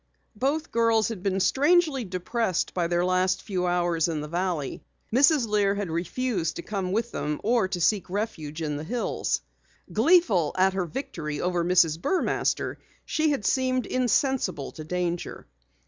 Both girls had been strangely depressed by their last few hours in the valley. Mrs. Lear had refused to come with them or to seek refuge in the hills. Gleeful at her victory over Mrs. Burmaster, she had seemed insensible to danger.